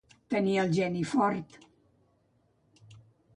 Tenir el geni fort.